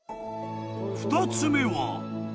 ［２つ目は］